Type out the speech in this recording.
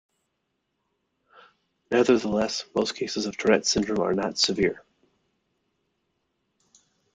Nevertheless, most cases of Tourette syndrome are not severe.